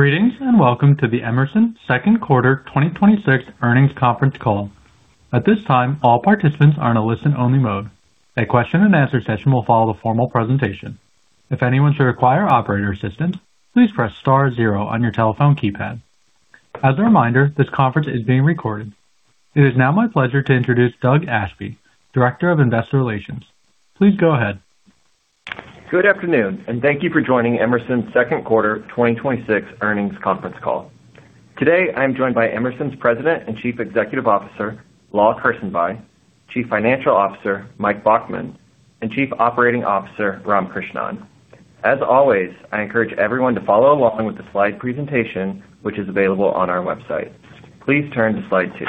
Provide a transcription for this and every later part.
Greetings, welcome to the Emerson second quarter 2026 earnings conference call. At this time, all participants are in a listen only mode. A question and answer session will follow the formal presentation. If anyone to require operator assistance, please press star zero on you telephone keypad. As a reminder, this conference is being recorded. It is now my pleasure to introduce Doug Ashby, Director of Investor Relations. Please go ahead. Good afternoon, thank you for joining Emerson's second quarter 2026 earnings conference call. Today, I am joined by Emerson's President and Chief Executive Officer, Lal Karsanbhai, Chief Financial Officer, Mike Baughman, and Chief Operating Officer, Ram Krishnan. As always, I encourage everyone to follow along with the slide presentation, which is available on our website. Please turn to slide two.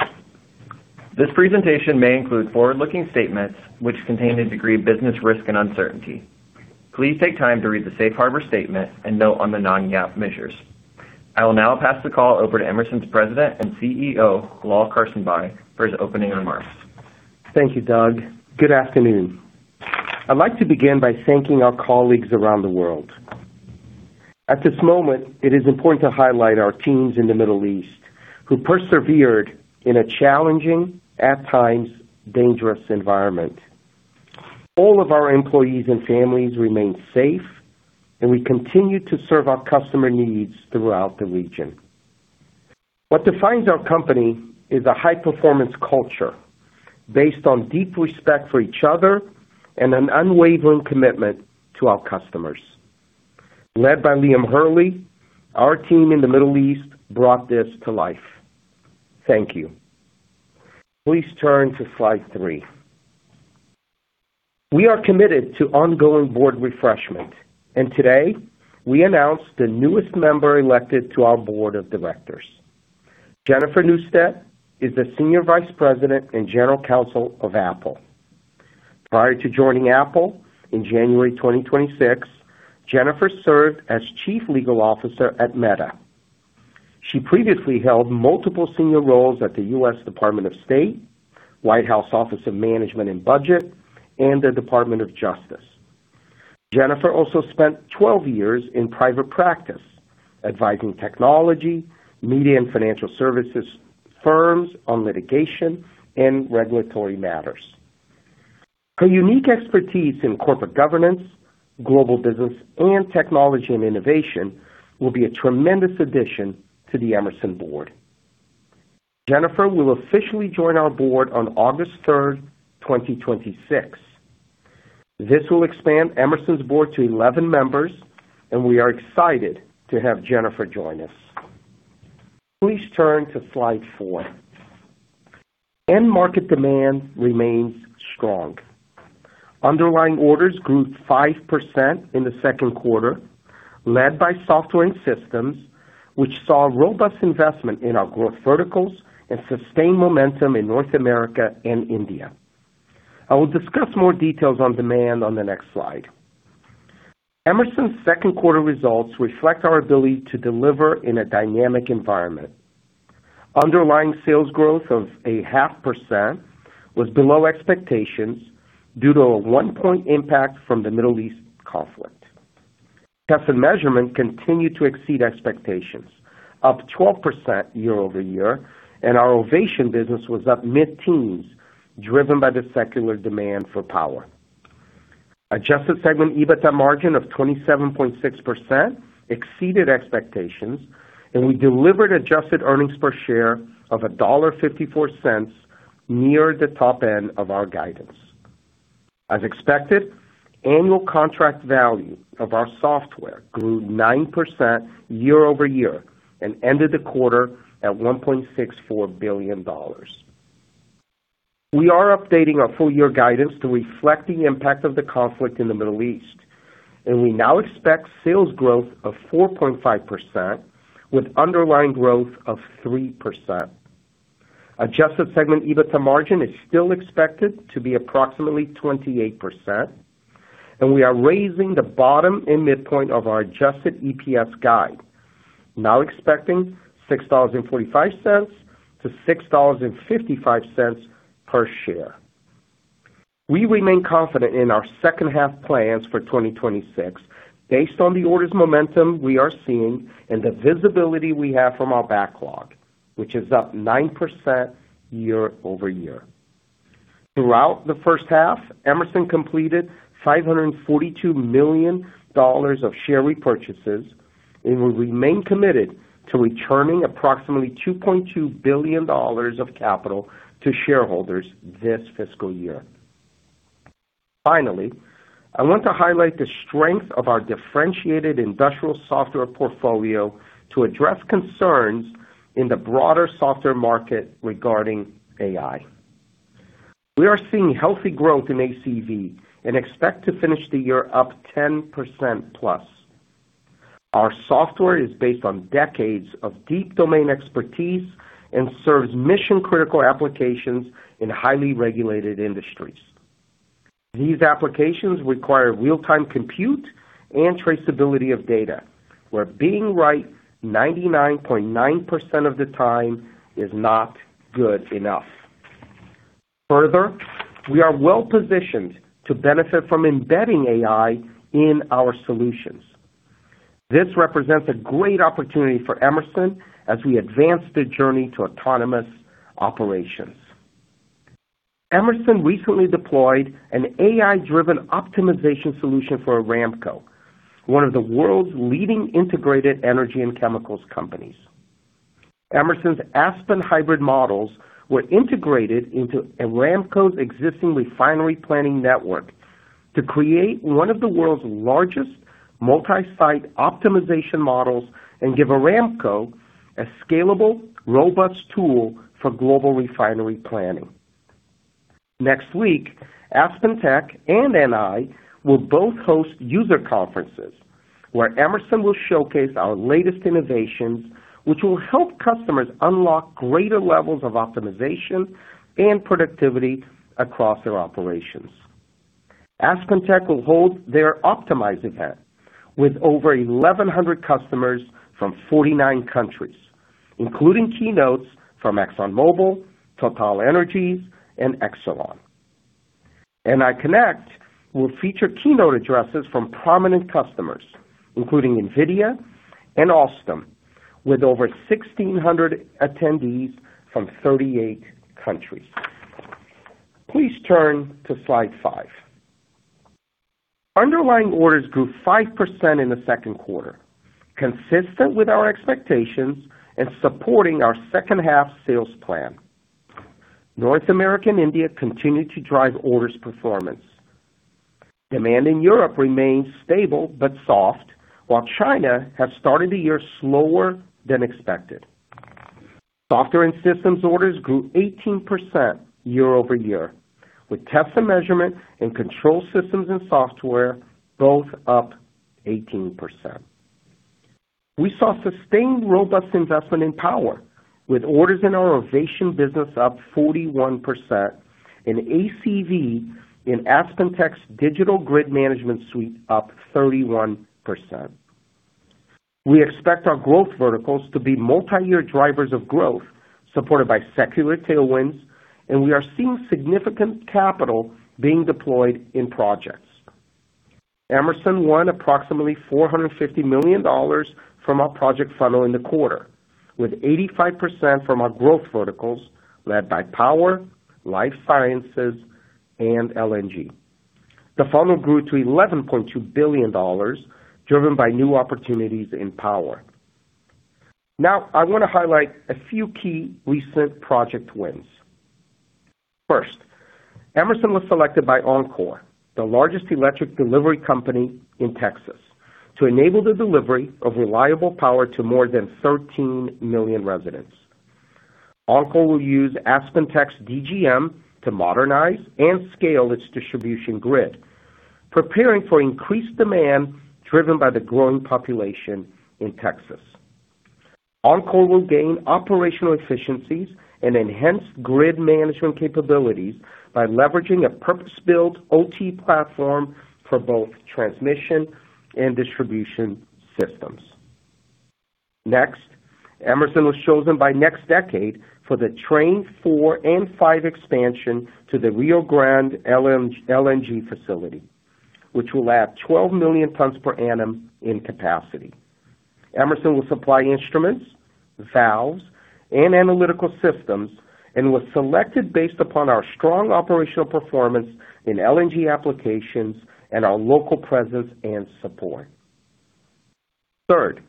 This presentation may include forward-looking statements which contain a degree of business risk and uncertainty. Please take time to read the Safe Harbor statement and note on the non-GAAP measures. I will now pass the call over to Emerson's President and CEO, Lal Karsanbhai, for his opening remarks. Thank you, Doug. Good afternoon. I'd like to begin by thanking our colleagues around the world. At this moment, it is important to highlight our teams in the Middle East who persevered in a challenging, at times dangerous environment. All of our employees and families remain safe, and we continue to serve our customer needs throughout the region. What defines our company is a high-performance culture based on deep respect for each other and an unwavering commitment to our customers. Led by Liam Hurley, our team in the Middle East brought this to life. Thank you. Please turn to slide three. We are committed to ongoing board refreshment, and today, we announce the newest member elected to our board of directors. Jennifer Newstead is the Senior Vice President and General Counsel of Apple. Prior to joining Apple in January 2026, Jennifer served as Chief Legal Officer at Meta. She previously held multiple senior roles at the U.S. Department of State, White House Office of Management and Budget, and the Department of Justice. Jennifer also spent 12 years in private practice advising technology, media, and financial services firms on litigation and regulatory matters. Her unique expertise in corporate governance, global business, and technology and innovation will be a tremendous addition to the Emerson board. Jennifer will officially join our board on August 3rd, 2026. This will expand Emerson's board to 11 members, and we are excited to have Jennifer join us. Please turn to slide four. End market demand remains strong. Underlying orders grew 5% in the second quarter, led by Software & Systems, which saw robust investment in our growth verticals and sustained momentum in North America and India. I will discuss more details on demand on the next slide. Emerson's second quarter results reflect our ability to deliver in a dynamic environment. Underlying sales growth of 0.5% was below expectations due to a 1 point impact from the Middle East conflict. Test & Measurement continued to exceed expectations, up 12% year-over-year, and our Ovation business was up mid-teens, driven by the secular demand for power. Adjusted segment EBITDA margin of 27.6% exceeded expectations, and we delivered adjusted earnings per share of $1.54 near the top end of our guidance. As expected, annual contract value of our software grew 9% year-over-year and ended the quarter at $1.64 billion. We are updating our full year guidance to reflect the impact of the conflict in the Middle East, and we now expect sales growth of 4.5% with underlying growth of 3%. Adjusted segment EBITDA margin is still expected to be approximately 28%, and we are raising the bottom and midpoint of our adjusted EPS guide, now expecting $6.45-$6.55 per share. We remain confident in our second half plans for 2026 based on the orders momentum we are seeing and the visibility we have from our backlog, which is up 9% year-over-year. Throughout the first half, Emerson completed $542 million of share repurchases and will remain committed to returning approximately $2.2 billion of capital to shareholders this fiscal year. Finally, I want to highlight the strength of our differentiated industrial software portfolio to address concerns in the broader software market regarding AI. We are seeing healthy growth in ACV and expect to finish the year up 10%+. Our software is based on decades of deep domain expertise and serves mission-critical applications in highly regulated industries. These applications require real-time compute and traceability of data, where being right 99.9% of the time is not good enough. Further, we are well positioned to benefit from embedding AI in our solutions. This represents a great opportunity for Emerson as we advance the journey to autonomous operations. Emerson recently deployed an AI-driven optimization solution for Aramco, one of the world's leading integrated energy and chemicals companies. Emerson's Aspen Hybrid Models were integrated into Aramco's existing refinery planning network to create one of the world's largest multi-site optimization models and give Aramco a scalable, robust tool for global refinery planning. Next week, AspenTech and NI will both host user conferences where Emerson will showcase our latest innovations, which will help customers unlock greater levels of optimization and productivity across their operations. AspenTech will hold their OPTIMIZE event with over 1,100 customers from 49 countries, including keynotes from ExxonMobil, TotalEnergies and Exelon. NI Connect will feature keynote addresses from prominent customers, including NVIDIA and Alstom, with over 1,600 attendees from 38 countries. Please turn to slide five. Underlying orders grew 5% in the second quarter, consistent with our expectations and supporting our second half sales plan. North America and India continued to drive orders performance. Demand in Europe remains stable but soft, while China has started the year slower than expected. Software & Systems orders grew 18% year-over-year, with Test & Measurement and control systems and software both up 18%. We saw sustained robust investment in power, with orders in our Ovation up 41% and ACV in AspenTech's Digital Grid Management suite up 31%. We expect our growth verticals to be multi-year drivers of growth, supported by secular tailwinds, and we are seeing significant capital being deployed in projects. Emerson won approximately $450 million from our project funnel in the quarter, with 85% from our growth verticals led by power, life sciences and LNG. The funnel grew to $11.2 billion, driven by new opportunities in power. I want to highlight a few key recent project wins. First, Emerson was selected by Oncor, the largest electric delivery company in Texas, to enable the delivery of reliable power to more than 13 million residents. Oncor will use AspenTech's DGM to modernize and scale its distribution grid, preparing for increased demand driven by the growing population in Texas. Oncor will gain operational efficiencies and enhance grid management capabilities by leveraging a purpose-built OT platform for both transmission and distribution systems. Next, Emerson was chosen by NextDecade for the Train 4 and 5 expansion to the Rio Grande LNG facility, which will add 12 million tons per annum in capacity. Emerson will supply instruments, valves and analytical systems and was selected based upon our strong operational performance in LNG applications and our local presence and support. Third,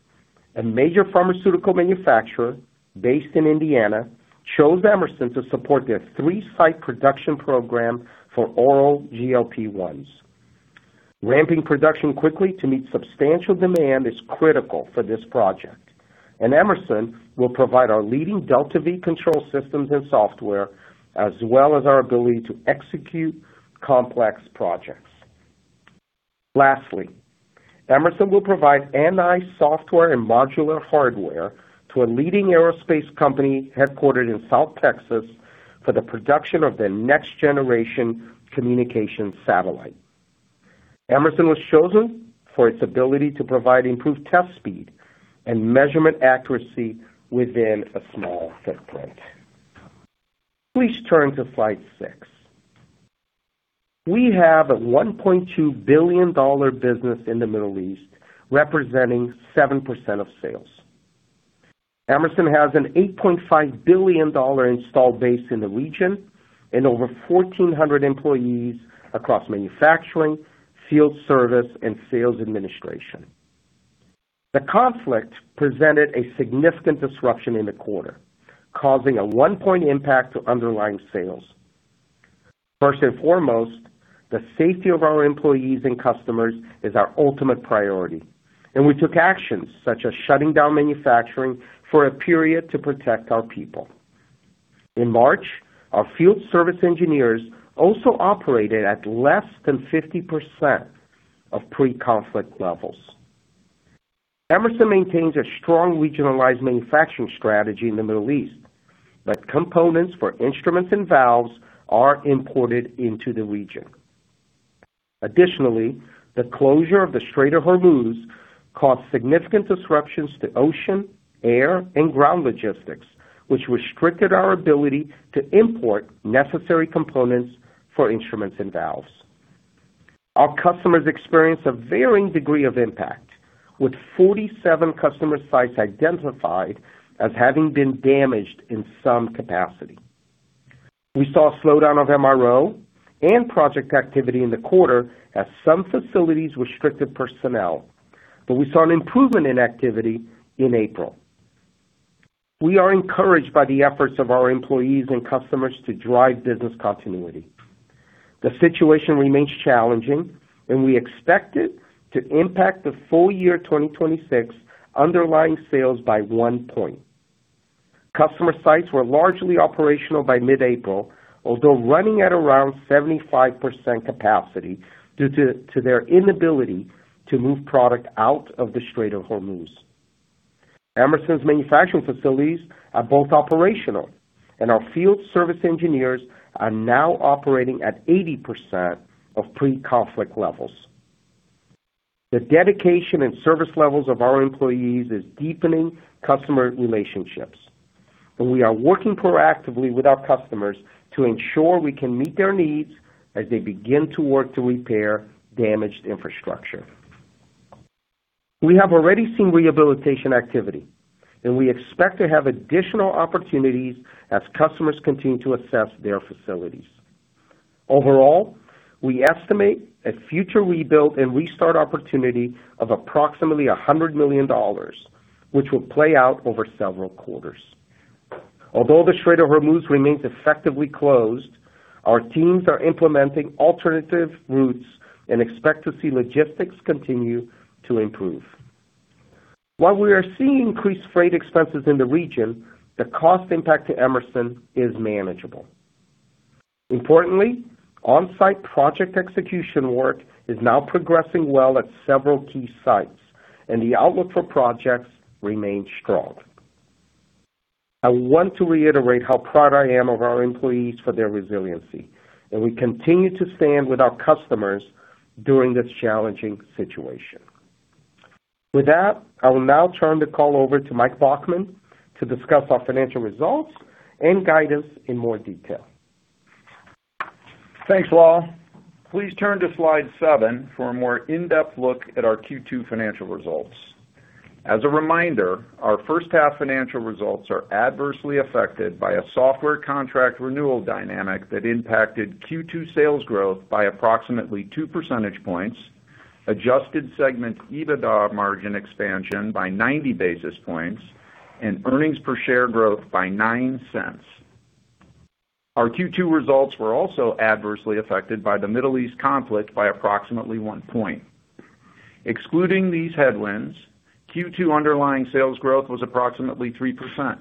a major pharmaceutical manufacturer based in Indiana chose Emerson to support their three site production program for oral GLP-1s. Ramping production quickly to meet substantial demand is critical for this project. Emerson will provide our leading DeltaV control systems and software, as well as our ability to execute complex projects. Lastly, Emerson will provide NI software and modular hardware to a leading aerospace company headquartered in South Texas for the production of their next-generation communication satellite. Emerson was chosen for its ability to provide improved test speed and measurement accuracy within a small footprint. Please turn to slide six. We have a $1.2 billion business in the Middle East, representing 7% of sales. Emerson has an $8.5 billion installed base in the region and over 1,400 employees across manufacturing, field service, and sales administration. The conflict presented a significant disruption in the quarter, causing a 1 point impact to underlying sales. First and foremost, the safety of our employees and customers is our ultimate priority, and we took actions such as shutting down manufacturing for a period to protect our people. In March, our field service engineers also operated at less than 50% of pre-conflict levels. Emerson maintains a strong regionalized manufacturing strategy in the Middle East, but components for instruments and valves are imported into the region. Additionally, the closure of the Strait of Hormuz caused significant disruptions to ocean, air, and ground logistics, which restricted our ability to import necessary components for instruments and valves. Our customers experienced a varying degree of impact, with 47 customer sites identified as having been damaged in some capacity. We saw a slowdown of MRO and project activity in the quarter as some facilities restricted personnel. We saw an improvement in activity in April. We are encouraged by the efforts of our employees and customers to drive business continuity. The situation remains challenging. We expect it to impact the full year 2026 underlying sales by 1 point. Customer sites were largely operational by mid-April, although running at around 75% capacity due to their inability to move product out of the Strait of Hormuz. Emerson's manufacturing facilities are both operational. Our field service engineers are now operating at 80% of pre-conflict levels. The dedication and service levels of our employees is deepening customer relationships. We are working proactively with our customers to ensure we can meet their needs as they begin to work to repair damaged infrastructure. We have already seen rehabilitation activity. We expect to have additional opportunities as customers continue to assess their facilities. Overall, we estimate a future rebuild and restart opportunity of approximately $100 million, which will play out over several quarters. Although the Strait of Hormuz remains effectively closed, our teams are implementing alternative routes and expect to see logistics continue to improve. While we are seeing increased freight expenses in the region, the cost impact to Emerson is manageable. Importantly, on-site project execution work is now progressing well at several key sites, and the outlook for projects remains strong. I want to reiterate how proud I am of our employees for their resiliency, and we continue to stand with our customers during this challenging situation. With that, I will now turn the call over to Mike Baughman to discuss our financial results and guide us in more detail. Thanks, Lal. Please turn to slide seven for a more in-depth look at our Q2 financial results. As a reminder, our first half financial results are adversely affected by a software contract renewal dynamic that impacted Q2 sales growth by approximately 2 percentage points, adjusted segment EBITDA margin expansion by 90 basis points, and earnings per share growth by $0.09. Our Q2 results were also adversely affected by the Middle East conflict by approximately 1 point. Excluding these headwinds, Q2 underlying sales growth was approximately 3%.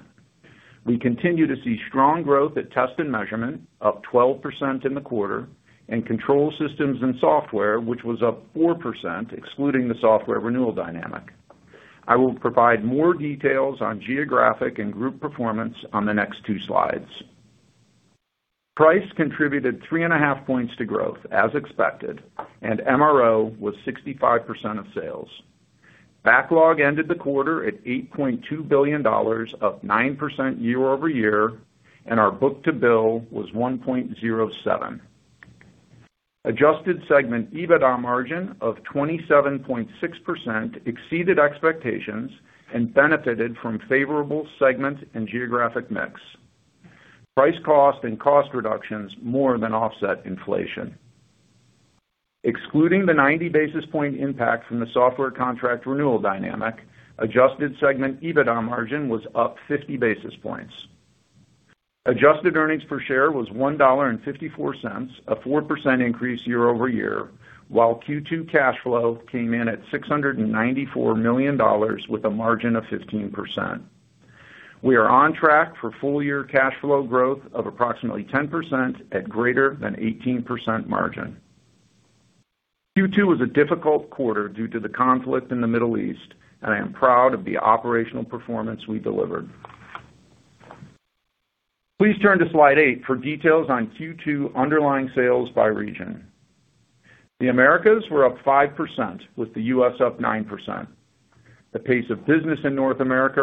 We continue to see strong growth at Test & Measurement, up 12% in the quarter, and Control Systems & Software, which was up 4%, excluding the software renewal dynamic. I will provide more details on geographic and group performance on the next 2 slides. Price contributed 3.5 points to growth, as expected, and MRO was 65% of sales. Backlog ended the quarter at $8.2 billion, up 9% year-over-year, and our book-to-bill was 1.07. Adjusted segment EBITDA margin of 27.6% exceeded expectations and benefited from favorable segment and geographic mix. Price cost and cost reductions more than offset inflation. Excluding the 90 basis point impact from the software contract renewal dynamic, adjusted segment EBITDA margin was up 50 basis points. Adjusted earnings per share was $1.54, a 4% increase year-over-year, while Q2 cash flow came in at $694 million with a margin of 15%. We are on track for full-year cash flow growth of approximately 10% at greater than 18% margin. Q2 was a difficult quarter due to the conflict in the Middle East, and I am proud of the operational performance we delivered. Please turn to slide eight for details on Q2 underlying sales by region. The Americas were up 5%, with the U.S. up 9%. The pace of business in North America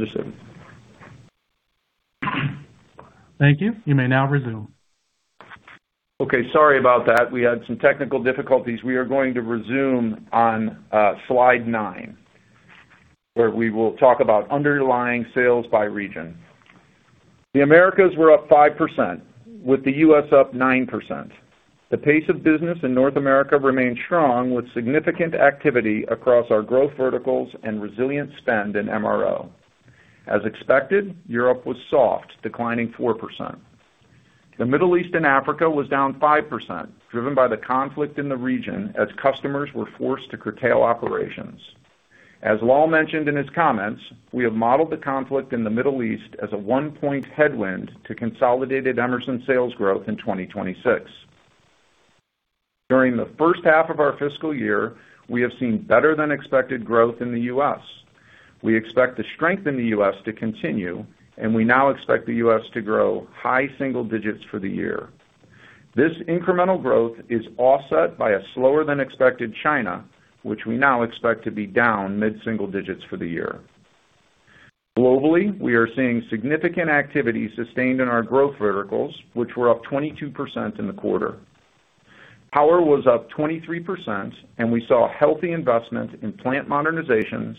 remained strong, with significant activity across our growth verticals and resilient spend in MRO. We expect the strength in the U.S. to continue, and we now expect the U.S. to grow high single digits for the year. This incremental growth is offset by a slower than expected China, which we now expect to be down mid-single digits for the year. Globally, we are seeing significant activity sustained in our growth verticals, which were up 22% in the quarter. Power was up 23%, and we saw healthy investment in plant modernizations,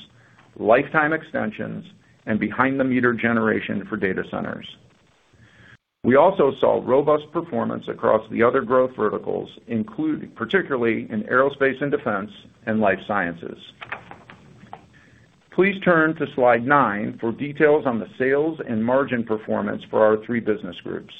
lifetime extensions, and behind the meter generation for data centers. We also saw robust performance across the other growth verticals, particularly in Aerospace & Defense and life sciences. Please turn to slide nine for details on the sales and margin performance for our three business groups.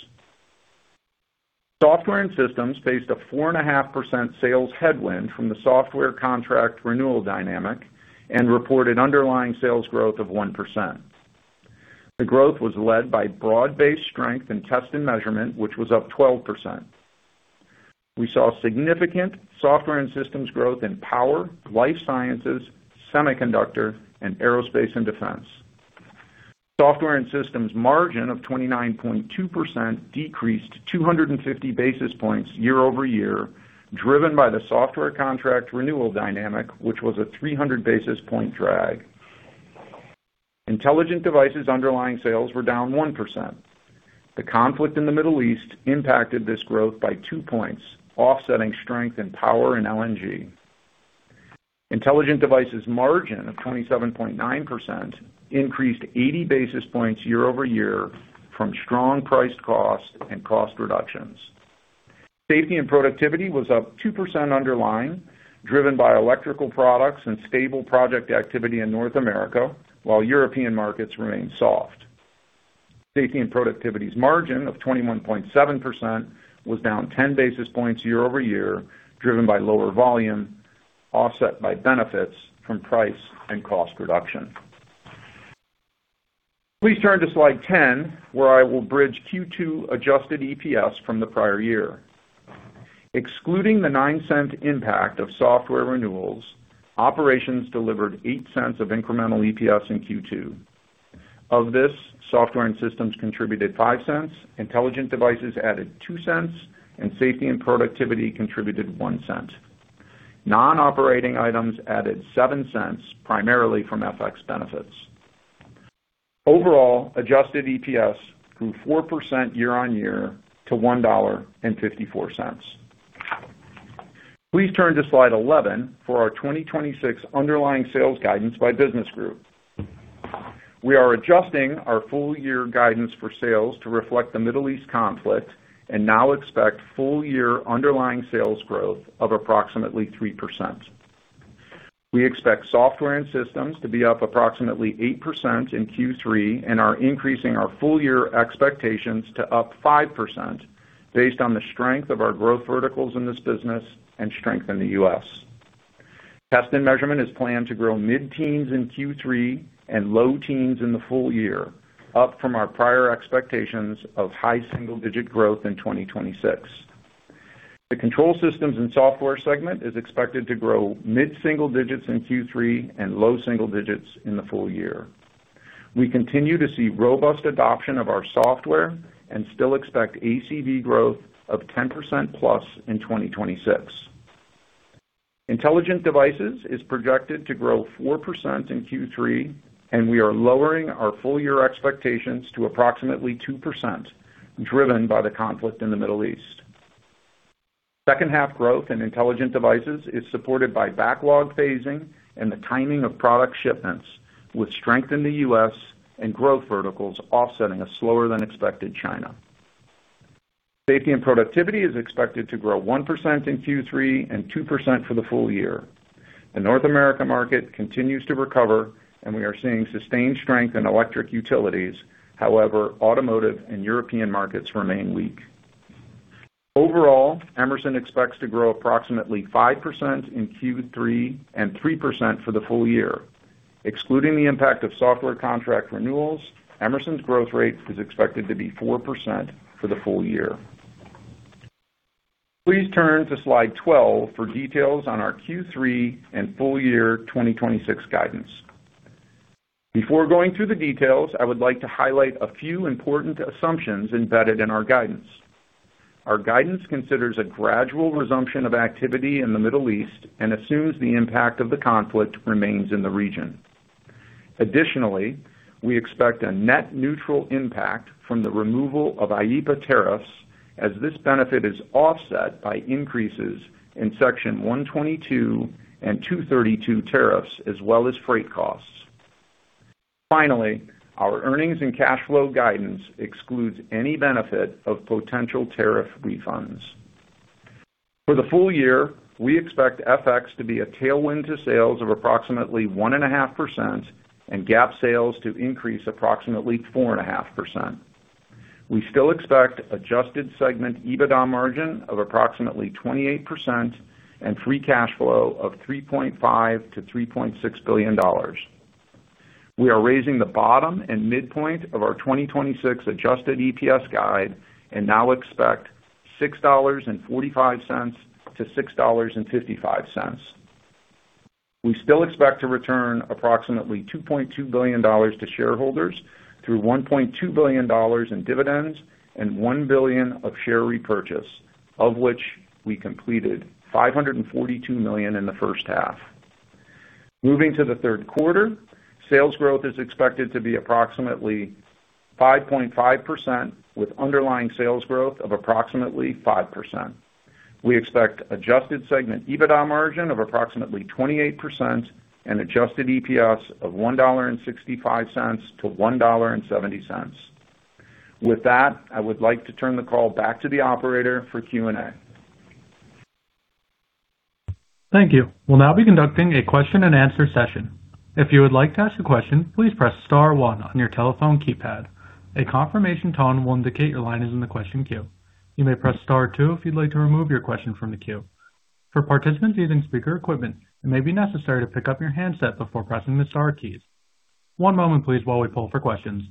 Software & Systems faced a 4.5% sales headwind from the software contract renewal dynamic and reported underlying sales growth of 1%. The growth was led by broad-based strength in Test & Measurement, which was up 12%. We saw significant Software & Systems growth in power, life sciences, semiconductor, and Aerospace & Defense. Software & Systems margin of 29.2% decreased 250 basis points year-over-year, driven by the software contract renewal dynamic, which was a 300 basis point drag. Intelligent Devices underlying sales were down 1%. The conflict in the Middle East impacted this growth by 2 points, offsetting strength in power and LNG. Intelligent Devices margin of 27.9% increased 80 basis points year-over-year from strong priced cost and cost reductions. Safety & Productivity was up 2% underlying, driven by electrical products and stable project activity in North America, while European markets remained soft. Safety & Productivity's margin of 21.7% was down 10 basis points year-over-year, driven by lower volume, offset by benefits from price and cost reduction. Please turn to slide 10, where I will bridge Q2 adjusted EPS from the prior year. Excluding the $0.09 impact of software renewals, operations delivered $0.08 of incremental EPS in Q2. Of this, Software & Systems contributed $0.05, intelligent devices added $0.02, and Safety & Productivity contributed $0.01. Non-operating items added $0.07, primarily from FX benefits. Overall, adjusted EPS grew 4% year-on-year to $1.54. Please turn to slide 11 for our 2026 underlying sales guidance by business group. We are adjusting our full year guidance for sales to reflect the Middle East conflict and now expect full year underlying sales growth of approximately 3%. We expect Software & Systems to be up approximately 8% in Q3 and are increasing our full year expectations to up 5% based on the strength of our growth verticals in this business and strength in the U.S. Test & Measurement is planned to grow mid-teens in Q3 and low teens in the full year, up from our prior expectations of high single-digit growth in 2026. The Control Systems & Software segment is expected to grow mid-single digits in Q3 and low single digits in the full year. We continue to see robust adoption of our software and still expect ACV growth of 10%+ in 2026. Intelligent Devices is projected to grow 4% in Q3, and we are lowering our full year expectations to approximately 2%, driven by the conflict in the Middle East. Second half growth in Intelligent Devices is supported by backlog phasing and the timing of product shipments, with strength in the U.S. and growth verticals offsetting a slower than expected China. Safety & Productivity is expected to grow 1% in Q3 and 2% for the full year. The North America market continues to recover, and we are seeing sustained strength in electric utilities. However, automotive and European markets remain weak. Overall, Emerson expects to grow approximately 5% in Q3 and 3% for the full year. Excluding the impact of software contract renewals, Emerson's growth rate is expected to be 4% for the full year. Please turn to slide 12 for details on our Q3 and full year 2026 guidance. Before going through the details, I would like to highlight a few important assumptions embedded in our guidance. Our guidance considers a gradual resumption of activity in the Middle East and assumes the impact of the conflict remains in the region. Additionally, we expect a net neutral impact from the removal of IEEPA tariffs as this benefit is offset by increases in Section 122 and 232 tariffs as well as freight costs. Finally, our earnings and cash flow guidance excludes any benefit of potential tariff refunds. For the full year, we expect FX to be a tailwind to sales of approximately 1.5% and GAAP sales to increase approximately 4.5%. We still expect adjusted segment EBITDA margin of approximately 28% and free cash flow of $3.5 billion-$3.6 billion. We are raising the bottom and midpoint of our 2026 adjusted EPS guide and now expect $6.45-$6.55. We still expect to return approximately $2.2 billion to shareholders through $1.2 billion in dividends and $1 billion of share repurchase, of which we completed $542 million in the first half. Moving to the third quarter, sales growth is expected to be approximately 5.5%, with underlying sales growth of approximately 5%. We expect adjusted segment EBITDA margin of approximately 28% and adjusted EPS of $1.65-$1.70. With that, I would like to turn the call back to the operator for Q&A. Thank you. We'll now be conducting a question-and-answer session. If you would like to ask a question, please press star one on your telephone keypad. A confirmation tone will indicate your line is in the question queue. You may press star two if you'd like to remove your question from the queue. For participants using speaker equipment, it may be necessary to pick up your handset before pressing the star keys. One moment, please, while we pull for questions.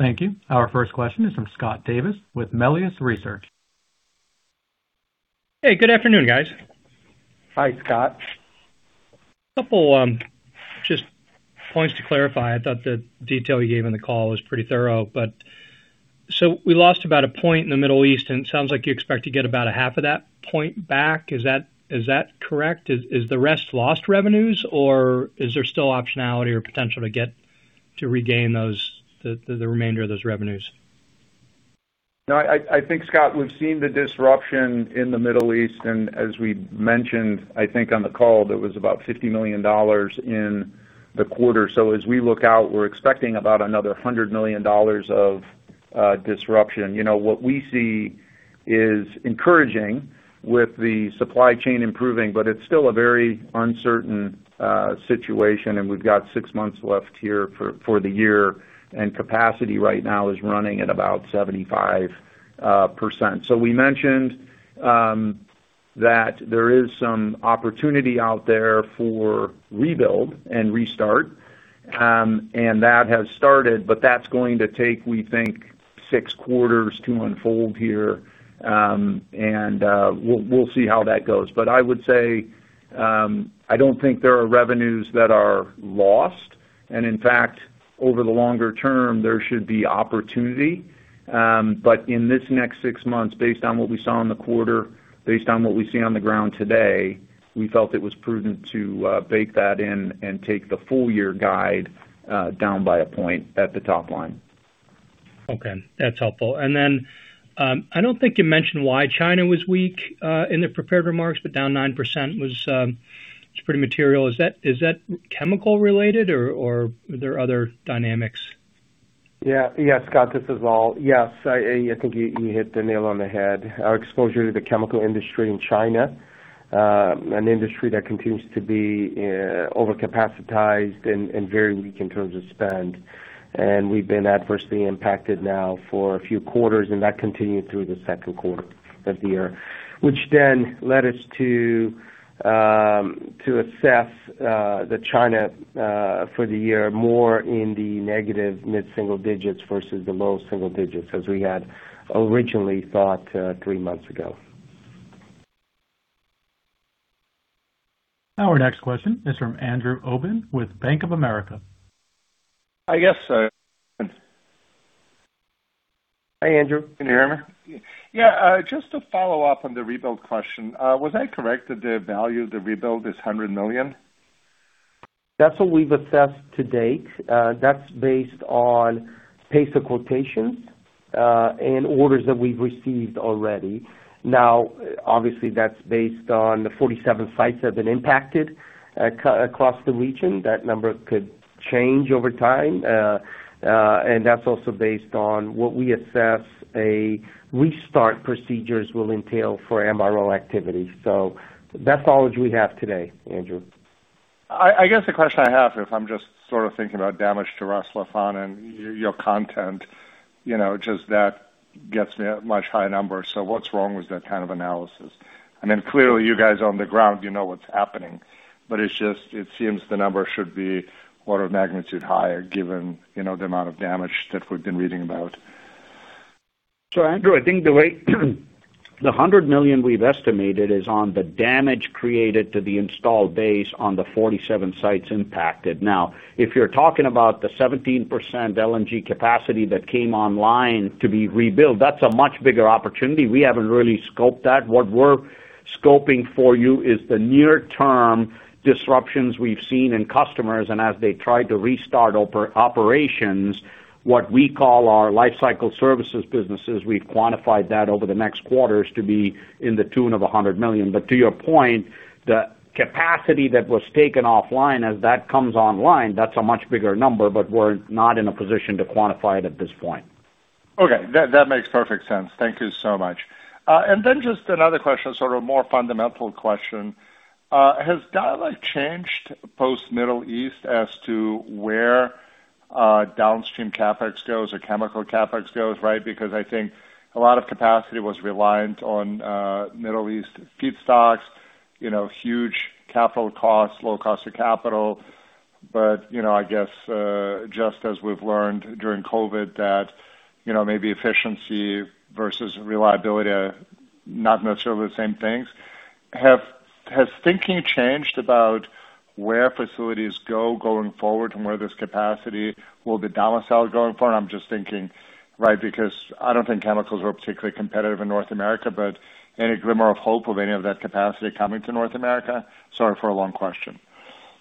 Thank you. Our first question is from Scott Davis with Melius Research. Hey, good afternoon, guys. Hi, Scott. A couple just points to clarify. I thought the detail you gave on the call was pretty thorough. We lost about a point in the Middle East, and it sounds like you expect to get about a half of that point back. Is that correct? Is the rest lost revenues, or is there still optionality or potential to get to regain those the remainder of those revenues? No, I think, Scott, we've seen the disruption in the Middle East, and as we mentioned, I think on the call, it was about $50 million in the quarter. As we look out, we're expecting about another $100 million of disruption. You know, what we see is encouraging with the supply chain improving, but it's still a very uncertain situation, and we've got six months left here for the year, and capacity right now is running at about 75%. We mentioned that there is some opportunity out there for rebuild and restart. That has started, but that's going to take, we think, six quarters to unfold here. We'll see how that goes. I would say, I don't think there are revenues that are lost, and in fact, over the longer term, there should be opportunity. In this next six months, based on what we saw in the quarter, based on what we see on the ground today, we felt it was prudent to bake that in and take the full year guide down by 1 point at the top line. Okay, that's helpful. I don't think you mentioned why China was weak in the prepared remarks, but down 9% was pretty material. Is that chemical related or are there other dynamics? Yeah. Yes, Scott, this is Lal. I think you hit the nail on the head. Our exposure to the chemical industry in China, an industry that continues to be over-capacitized and very weak in terms of spend. We've been adversely impacted now for a few quarters, and that continued through the 2nd quarter of the year, which then led us to assess the China for the year, more in the negative mid-single digits versus the low single digits, as we had originally thought three months ago. Our next question is from Andrew Obin with Bank of America. Hi. Yes, sir. Hi, Andrew. Can you hear me? Yeah. Just to follow up on the rebuild question, was I correct that the value of the rebuild is $100 million? That's what we've assessed to date. That's based on pace of quotations and orders that we've received already. Now, obviously that's based on the 47 sites that have been impacted across the region. That number could change over time. And that's also based on what we assess a restart procedures will entail for MRO activity. That's all that we have today, Andrew. I guess the question I have, if I'm just sort of thinking about damage to Ras Laffan and your content, you know, just that gets me a much higher number. What's wrong with that kind of analysis? I mean, clearly you guys on the ground, you know what's happening, but it's just, it seems the number should be order of magnitude higher given, you know, the amount of damage that we've been reading about. Andrew, I think the way the $100 million we've estimated is on the damage created to the installed base on the 47 sites impacted. If you're talking about the 17% LNG capacity that came online to be rebuilt, that's a much bigger opportunity. We haven't really scoped that. What we're scoping for you is the near term disruptions we've seen in customers. As they try to restart operations, what we call our lifecycle services businesses, we've quantified that over the next quarters to be in the tune of $100 million. To your point, the capacity that was taken offline as that comes online, that's a much bigger number, but we're not in a position to quantify it at this point. Okay. That makes perfect sense. Thank you so much. Then just another question, sort of more fundamental question. Has dialogue changed post Middle East as to where downstream CapEx goes or chemical CapEx goes, right? I think a lot of capacity was reliant on Middle East feedstocks, you know, huge capital costs, low cost of capital. You know, I guess, just as we've learned during COVID that, you know, maybe efficiency versus reliability are not necessarily the same things. Has thinking changed about where facilities go going forward and where this capacity will be domiciled going forward? I'm just thinking, right, I don't think chemicals are particularly competitive in North America, any glimmer of hope of any of that capacity coming to North America? Sorry for a long question.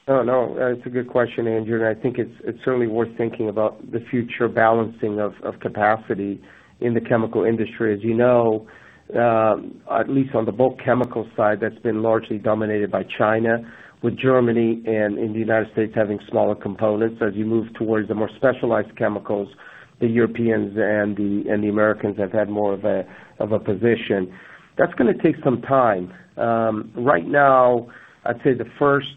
No, no. It's a good question, Andrew. I think it's certainly worth thinking about the future balancing of capacity in the chemical industry. As you know, at least on the bulk chemical side, that's been largely dominated by China, with Germany and in the United States having smaller components. As you move towards the more specialized chemicals, the Europeans and the Americans have had more of a position. That's gonna take some time. Right now, I'd say the first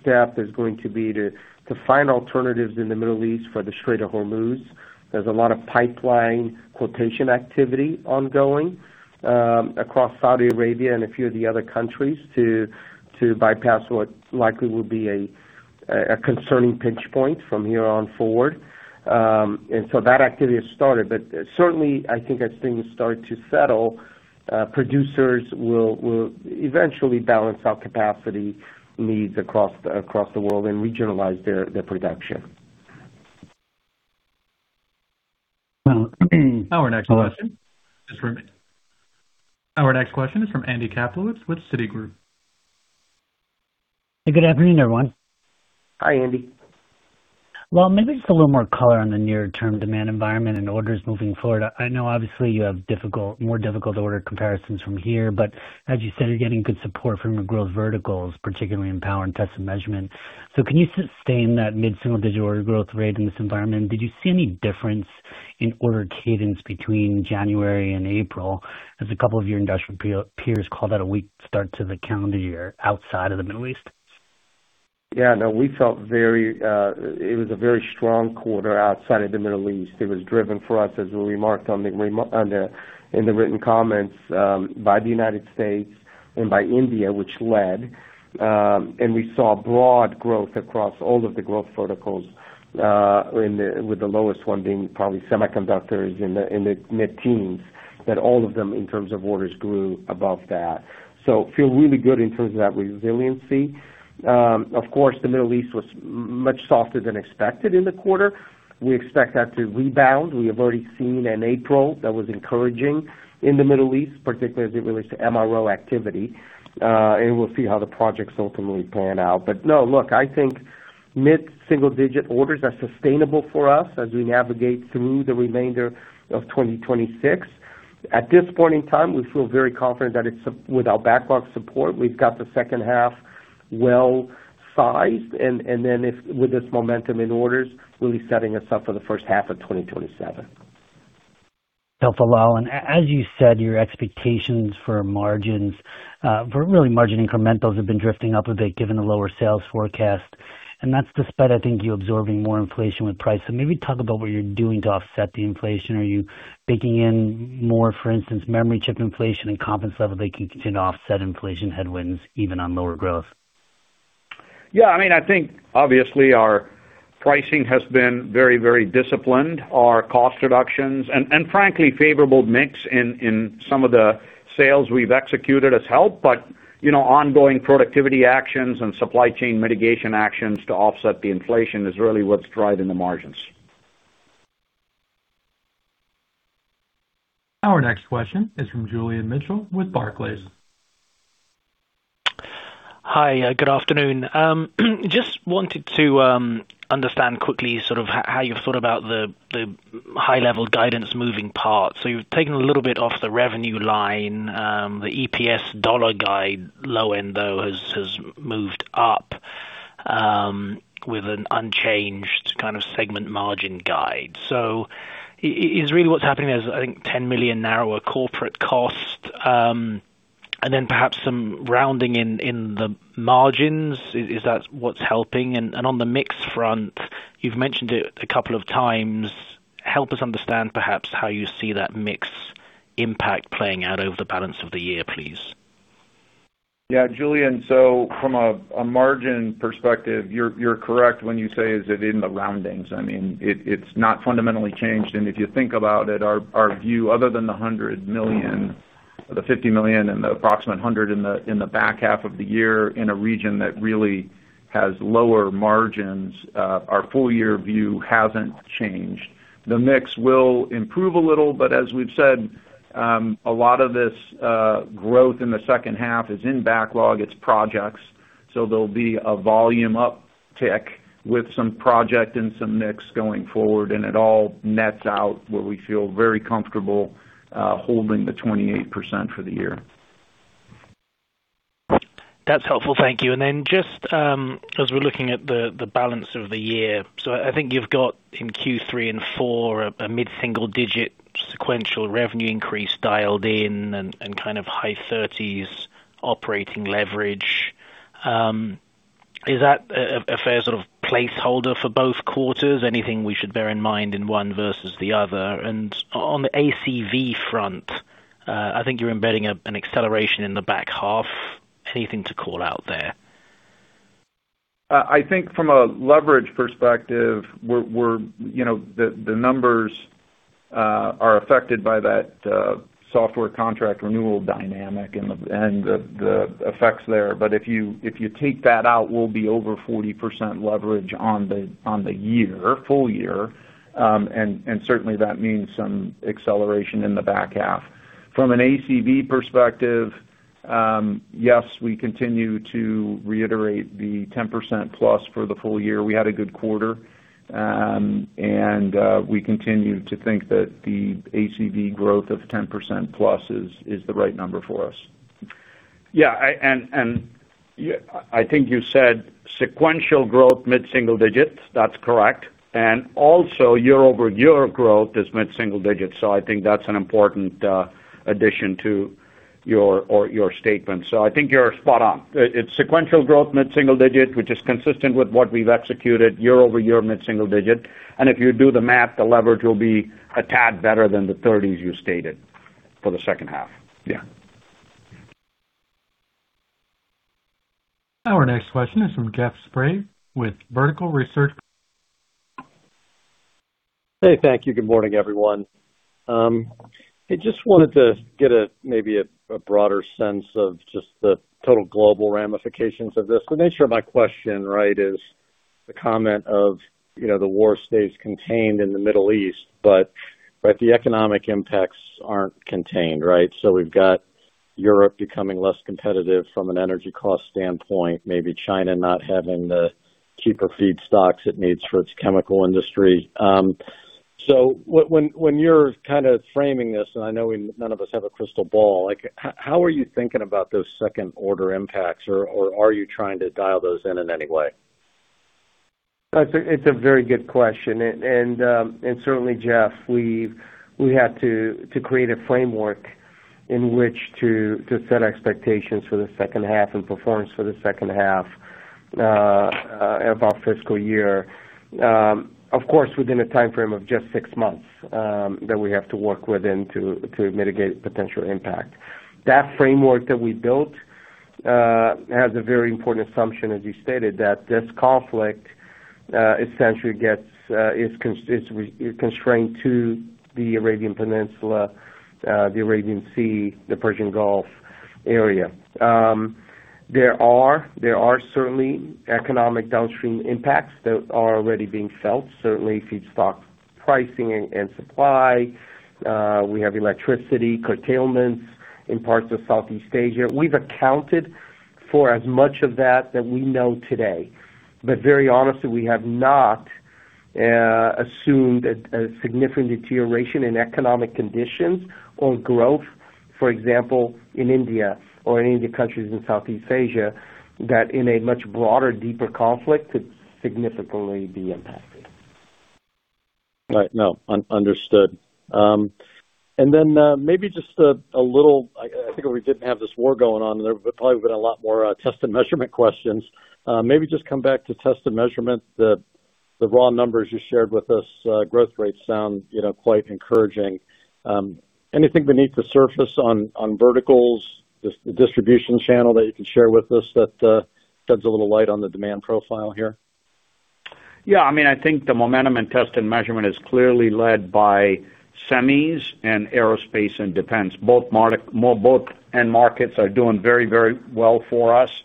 step is going to be to find alternatives in the Middle East for the Strait of Hormuz. There's a lot of pipeline quotation activity ongoing across Saudi Arabia and a few of the other countries to bypass what likely will be a concerning pinch point from here on forward. That activity has started. Certainly, I think as things start to settle, producers will eventually balance out capacity needs across the world and regionalize their production. Well, our next question is from Andrew Kaplowitz with Citigroup. Good afternoon, everyone. Hi, Andrew. Maybe just a little more color on the near term demand environment and orders moving forward. I know obviously you have difficult, more difficult order comparisons from here, but as you said, you're getting good support from your growth verticals, particularly in power and Test & Measurement. Can you sustain that mid-single-digit order growth rate in this environment? Did you see any difference in order cadence between January and April, as a couple of your industrial peers called out a weak start to the calendar year outside of the Middle East? We felt very, it was a very strong quarter outside of the Middle East. It was driven for us, as we remarked on the on the, in the written comments, by the United States and by India, which led, we saw broad growth across all of the growth verticals with the lowest one being probably semiconductors in the mid-teens, that all of them, in terms of orders, grew above that. Feel really good in terms of that resiliency. Of course, the Middle East was much softer than expected in the quarter. We expect that to rebound. We have already seen an April that was encouraging in the Middle East, particularly as it relates to MRO activity. We'll see how the projects ultimately pan out. No, look, I think mid-single digit orders are sustainable for us as we navigate through the remainder of 2026. At this point in time, we feel very confident that it's with our backlog support, we've got the second half well sized, and then if with this momentum in orders, really setting us up for the first half of 2027. Helpful, Lal. As you said, your expectations for margins, for really margin incrementals have been drifting up a bit given the lower sales forecast, and that's despite, I think, you absorbing more inflation with price. Maybe talk about what you're doing to offset the inflation. Are you baking in more, for instance, memory chip inflation and confidence level that can continue to offset inflation headwinds even on lower growth? I mean, I think obviously our pricing has been very, very disciplined. Our cost reductions and frankly, favorable mix in some of the sales we've executed has helped. You know, ongoing productivity actions and supply chain mitigation actions to offset the inflation is really what's driving the margins. Our next question is from Julian Mitchell with Barclays. Hi, good afternoon. Just wanted to understand quickly sort of how you thought about the high level guidance moving parts. You've taken a little bit off the revenue line. The EPS dollar guide low end, though, has moved up with an unchanged kind of segment margin guide. Is really what's happening there is, I think, $10 million narrower corporate cost and then perhaps some rounding in the margins. Is that what's helping? On the mix front, you've mentioned it a couple of times. Help us understand perhaps how you see that mix impact playing out over the balance of the year, please. Julian, from a margin perspective, you're correct when you say is it in the roundings. I mean, it's not fundamentally changed. If you think about it, our view other than the $100 million, the $50 million and the approximate $100 in the back half of the year in a region that really has lower margins, our full year view hasn't changed. The mix will improve a little, as we've said, a lot of this growth in the second half is in backlog, it's projects. There'll be a volume uptick with some project and some mix going forward, and it all nets out where we feel very comfortable holding the 28% for the year. That's helpful. Thank you. As we're looking at the balance of the year, I think you've got in Q3 and Q4 a mid-single-digit sequential revenue increase dialed in and kind of high 30s operating leverage. Is that a fair sort of placeholder for both quarters? Anything we should bear in mind in one versus the other? On the ACV front, I think you're embedding an acceleration in the back half. Anything to call out there? I think from a leverage perspective, we're, you know, the numbers are affected by that software contract renewal dynamic and the effects there. If you take that out, we'll be over 40% leverage on the year, full year. And certainly that means some acceleration in the back half. From an ACV perspective, yes, we continue to reiterate the 10%+ for the full year. We had a good quarter, and we continue to think that the ACV growth of 10%+ is the right number for us. Yeah. I think you said sequential growth mid-single digits. That's correct. Also year-over-year growth is mid-single digits. I think that's an important addition to your statement. I think you're spot on. It's sequential growth mid-single digit, which is consistent with what we've executed year-over-year mid-single digit. If you do the math, the leverage will be a tad better than the 30s you stated for the second half. Yeah. Our next question is from Jeff Sprague with Vertical Research. Hey, thank you. Good morning, everyone. I just wanted to get a, maybe a broader sense of just the total global ramifications of this. The nature of my question, right, is the comment of, you know, the war stays contained in the Middle East, but the economic impacts aren't contained, right? We've got Europe becoming less competitive from an energy cost standpoint, maybe China not having the cheaper feedstocks it needs for its chemical industry. When you're kind of framing this, and I know none of us have a crystal ball, how are you thinking about those second order impacts? Are you trying to dial those in in any way? That's a very good question. Certainly, Jeff, we had to create a framework in which to set expectations for the second half and performance for the second half of our fiscal year. Of course, within a timeframe of just six months that we have to work within to mitigate potential impact. That framework that we built has a very important assumption, as you stated, that this conflict essentially gets is constrained to the Arabian Peninsula, the Arabian Sea, the Persian Gulf area. There are certainly economic downstream impacts that are already being felt, certainly feedstock pricing and supply. We have electricity curtailments in parts of Southeast Asia. We've accounted for as much of that that we know today. Very honestly, we have not assumed a significant deterioration in economic conditions or growth, for example, in India or any of the countries in Southeast Asia that in a much broader, deeper conflict could significantly be impacted. Right. No. Understood. Maybe just a little. I think if we didn't have this war going on, there probably would've been a lot more Test & Measurement questions. Maybe just come back to Test & Measurement. The raw numbers you shared with us, growth rates sound, you know, quite encouraging. Anything beneath the surface on verticals, the distribution channel that you can share with us that sheds a little light on the demand profile here? Yeah. I mean, I think the momentum in Test & Measurement is clearly led by semis and Aerospace & Defense. Both end markets are doing very well for us.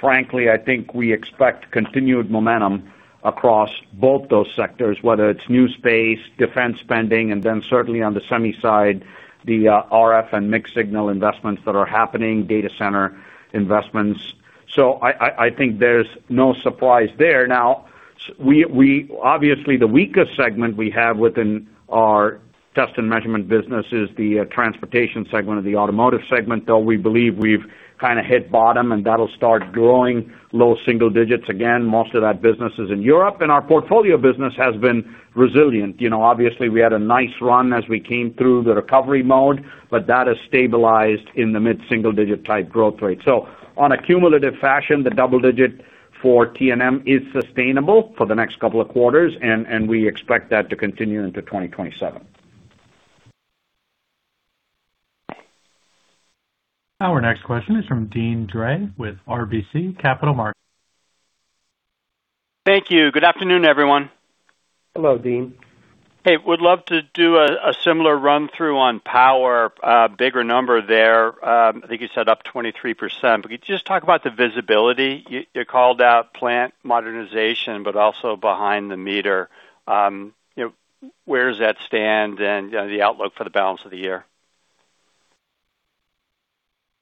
Frankly, I think we expect continued momentum across both those sectors, whether it's new space, defense spending, then certainly on the semi side, the RF and mixed signal investments that are happening, data center investments. I think there's no surprises there. Obviously, the weakest segment we have within our Test & Measurement business is the transportation segment or the automotive segment, though we believe we've kind of hit bottom, and that'll start growing low single digits again. Most of that business is in Europe. Our portfolio business has been resilient. You know, obviously we had a nice run as we came through the recovery mode, but that has stabilized in the mid-single digit type growth rate. On a cumulative fashion, the double digit for T&M is sustainable for the next couple of quarters, and we expect that to continue into 2027. Our next question is from Deane Dray with RBC Capital Markets. Thank you. Good afternoon, everyone. Hello, Deane. Hey. Would love to do a similar run-through on power, a bigger number there. I think you said up 23%. Could you just talk about the visibility? You, you called out plant modernization, but also behind the meter. You know, where does that stand and, you know, the outlook for the balance of the year?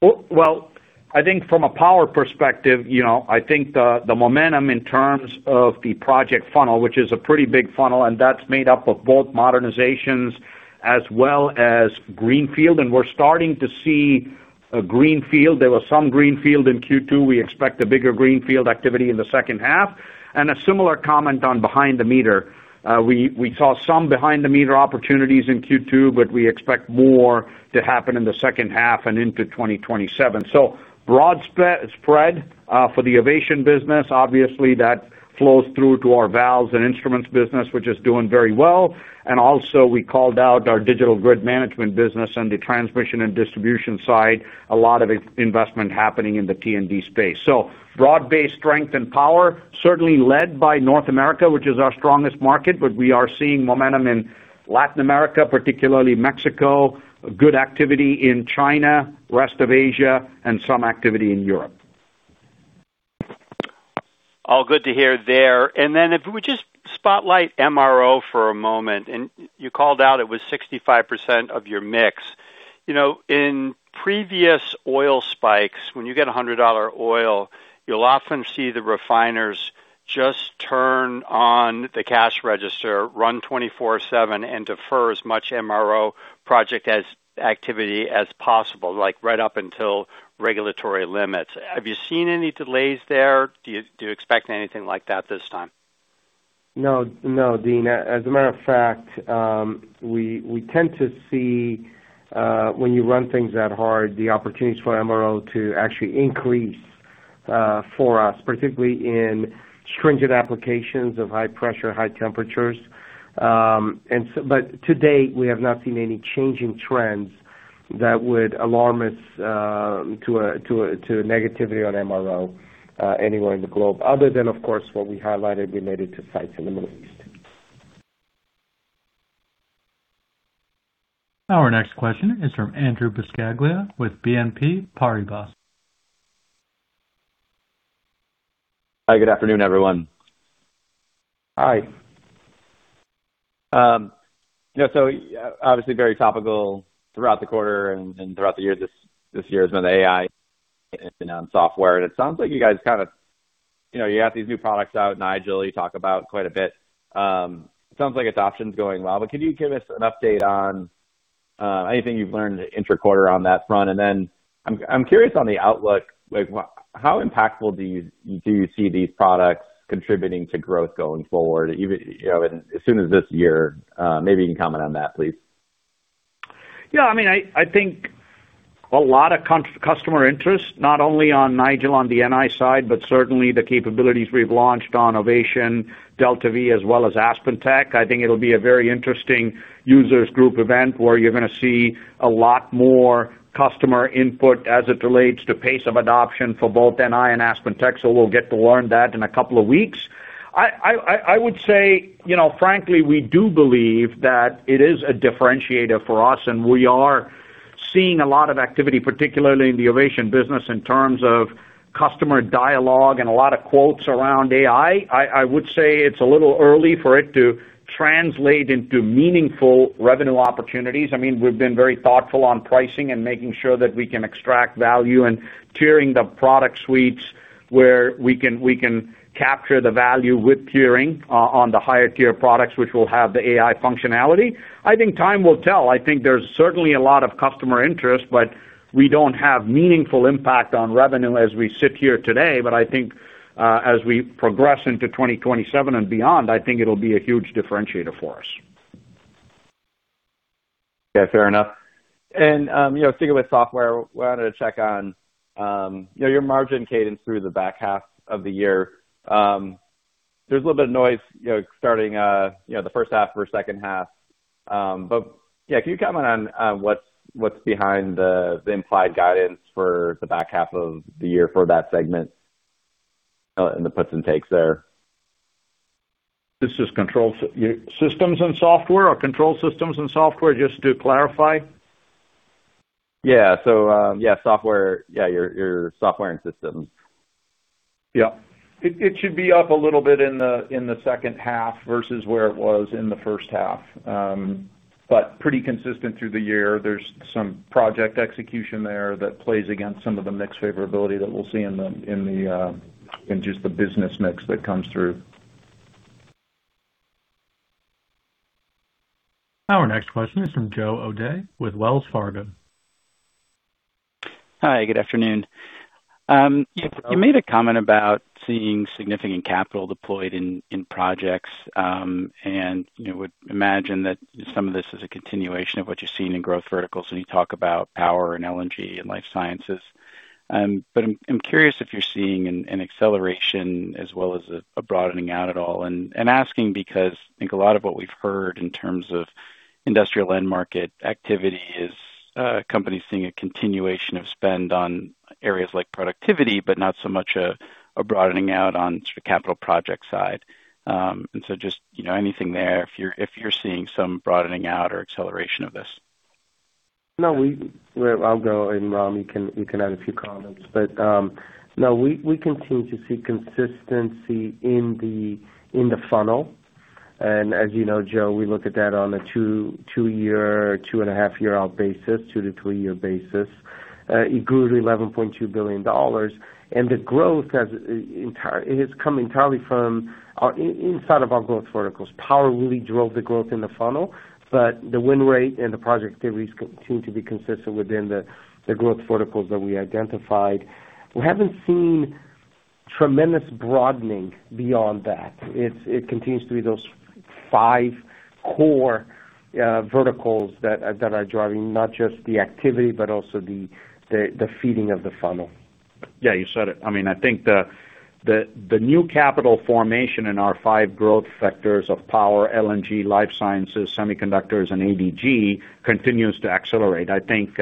Well, I think from a power perspective, you know, I think the momentum in terms of the project funnel, which is a pretty big funnel, and that's made up of both modernizations as well as greenfield, and we're starting to see a greenfield. There was some greenfield in Q2. We expect a bigger greenfield activity in the second half. A similar comment on behind the meter. We saw some behind the meter opportunities in Q2, but we expect more to happen in the second half and into 2027. Broad spread for the Ovation business, obviously that flows through to our valves and instruments business, which is doing very well. Also, we called out our Digital Grid Management business and the transmission and distribution side, a lot of investment happening in the T&D space. Broad-based strength and power, certainly led by North America, which is our strongest market, but we are seeing momentum in Latin America, particularly Mexico, good activity in China, rest of Asia, and some activity in Europe. All good to hear there. Then if we just spotlight MRO for a moment, you called out it was 65% of your mix. You know, in previous oil spikes, when you get $100 oil, you'll often see the refiners just turn on the cash register, run 24/7, and defer as much MRO project as activity as possible, like right up until regulatory limits. Have you seen any delays there? Do you expect anything like that this time? No, no, Deane. As a matter of fact, we tend to see, when you run things that hard, the opportunities for MRO to actually increase for us, particularly in stringent applications of high pressure, high temperatures. To date, we have not seen any changing trends that would alarm us to a negativity on MRO anywhere in the globe, other than, of course, what we highlighted related to sites in the Middle East. Our next question is from Andrew Buscaglia with BNP Paribas. Hi, good afternoon, everyone. Hi. You know, so obviously very topical throughout the quarter and throughout the year. This year has been AI and software. It sounds like you guys kind of, you know, you have these new products out, Nigel, you talk about quite a bit. It sounds like adoption's going well, but could you give us an update on anything you've learned inter-quarter on that front? Then I'm curious on the outlook, like how impactful do you, do you see these products contributing to growth going forward, even, you know, as soon as this year? Maybe you can comment on that, please. I mean, I think a lot of customer interest, not only on Nigel on the NI side, but certainly the capabilities we've launched on Ovation, DeltaV, as well as AspenTech. I think it'll be a very interesting users group event where you're gonna see a lot more customer input as it relates to pace of adoption for both NI and AspenTech. We'll get to learn that in couple of weeks. I would say, you know, frankly, we do believe that it is a differentiator for us, and we are seeing a lot of activity, particularly in the Ovation business, in terms of customer dialogue and a lot of quotes around AI. I would say it's a little early for it to translate into meaningful revenue opportunities. I mean, we've been very thoughtful on pricing and making sure that we can extract value and tiering the product suites where we can, we can capture the value with tiering on the higher tier products, which will have the AI functionality. I think time will tell. I think there's certainly a lot of customer interest, but we don't have meaningful impact on revenue as we sit here today. I think, as we progress into 2027 and beyond, I think it'll be a huge differentiator for us. Yeah, fair enough. You know, sticking with software, wanted to check on, you know, your margin cadence through the back half of the year. There's a little bit of noise, you know, starting, you know, the first half versus second half. Yeah, can you comment on what's behind the implied guidance for the back half of the year for that segment and the puts and takes there? This is Control Systems & Software or Control Systems & Software, just to clarify? Yeah. Yeah, software. Yeah, your Software & Systems. Yeah. It should be up a little bit in the second half versus where it was in the first half. Pretty consistent through the year. There's some project execution there that plays against some of the mix favorability that we'll see in just the business mix that comes through. Our next question is from Joe O'Dea with Wells Fargo. Hi, good afternoon. Hello. You made a comment about seeing significant capital deployed in projects. You would imagine that some of this is a continuation of what you're seeing in growth verticals, and you talk about power and LNG and life sciences. I'm curious if you're seeing an acceleration as well as a broadening out at all. Asking because I think a lot of what we've heard in terms of industrial end market activity is companies seeing a continuation of spend on areas like productivity, not so much a broadening out on sort of capital project side. Just, you know, anything there, if you're seeing some broadening out or acceleration of this. No, Well, I'll go and Ram, you can add a few comments. No, we continue to see consistency in the funnel. As you know, Joe, we look at that on a two year, 2.5 year out basis, two to three year basis. It grew to $11.2 billion, the growth has it is coming entirely from inside of our growth verticals. Power really drove the growth in the funnel, the win rate and the project activities continue to be consistent within the growth verticals that we identified. We haven't seen tremendous broadening beyond that. It continues to be those five core verticals that are driving not just the activity, but also the feeding of the funnel. Yeah, you said it. I mean, I think the new capital formation in our five growth vectors of power, LNG, life sciences, semiconductors, and A&D continues to accelerate. I think,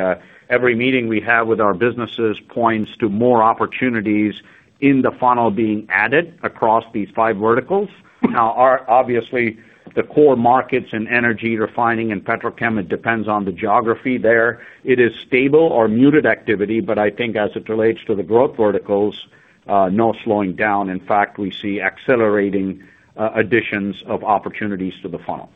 every meeting we have with our businesses points to more opportunities in the funnel being added across these five verticals. Now, obviously, the core markets in energy refining and petrochemical depends on the geography there. It is stable or muted activity. I think as it relates to the growth verticals, no slowing down. In fact, we see accelerating additions of opportunities to the funnel.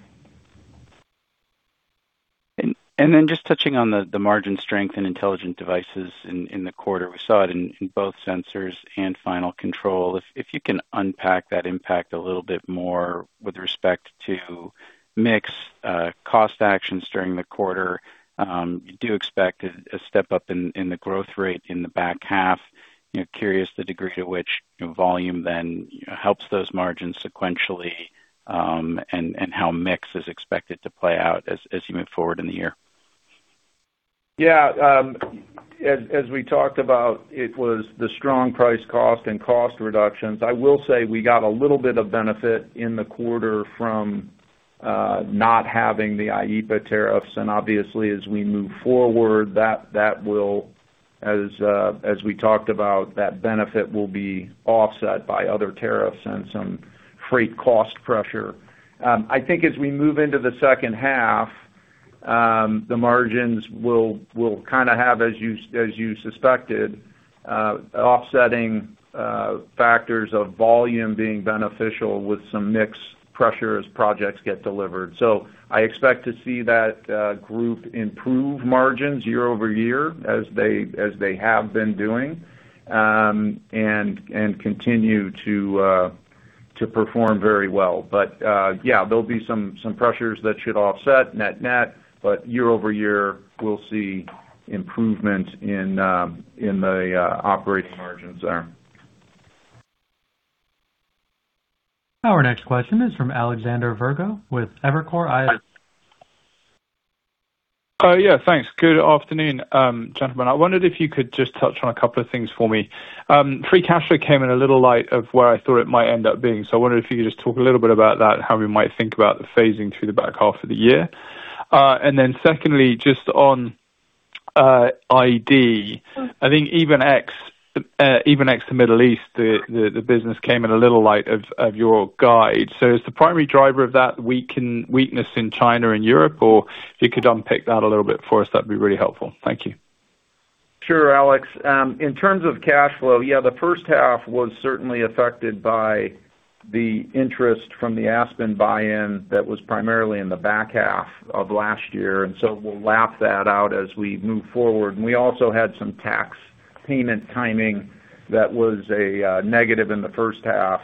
Just touching on the margin strength in Intelligent Devices in the quarter, we saw it in both Sensors and Final Control. If you can unpack that impact a little bit more with respect to mix, cost actions during the quarter. You do expect a step up in the growth rate in the back half. You know, curious the degree to which volume then helps those margins sequentially, and how mix is expected to play out as you move forward in the year? Yeah. as we talked about, it was the strong price cost and cost reductions. I will say we got a little bit of benefit in the quarter from not having the IEEPA tariffs, and obviously as we move forward, that will, as we talked about, that benefit will be offset by other tariffs and some freight cost pressure. I think as we move into the second half, the margins will kind of have, as you suspected, offsetting factors of volume being beneficial with some mix pressure as projects get delivered. So I expect to see that group improve margins year-over-year as they have been doing, and continue to. To perform very well. Yeah, there'll be some pressures that should offset net-net, but year-over-year, we'll see improvement in the operating margins there. Our next question is from Alexander Virgo with Evercore ISI. Thanks. Good afternoon, gentlemen. I wondered if you could just touch on a couple of things for me. Free cash flow came in a little light of where I thought it might end up being. I wondered if you could just talk a little bit about that and how we might think about the phasing through the back half of the year. Secondly, just on ID, I think even ex, even ex the Middle East, the business came in a little light of your guide. Is the primary driver of that weakness in China and Europe? If you could unpick that a little bit for us, that'd be really helpful. Thank you. Sure, Alex. In terms of cash flow, yeah, the first half was certainly affected by the interest from the Aspen buy-in that was primarily in the back half of last year. We'll lap that out as we move forward. We also had some tax payment timing that was a negative in the first half.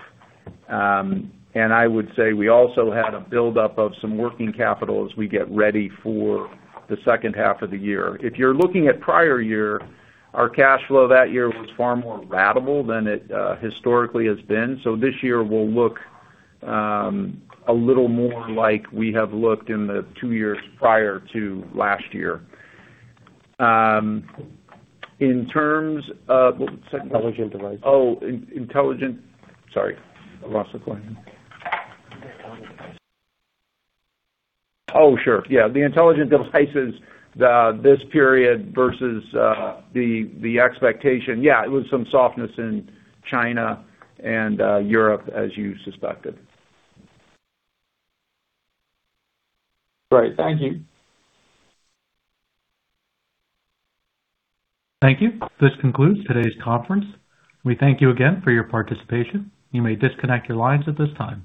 I would say we also had a buildup of some working capital as we get ready for the second half of the year. If you're looking at prior year, our cash flow that year was far more ratable than it historically has been. This year will look a little more like we have looked in the two years prior to last year. In terms of- Intelligent Devices. Oh, Sorry, I lost the question. The Intelligent Devices. Oh, sure. Yeah, the Intelligent Devices, this period versus the expectation. Yeah, it was some softness in China and Europe, as you suspected. Great. Thank you. Thank you. This concludes today's conference. We thank you again for your participation. You may disconnect your lines at this time.